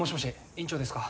院長ですか。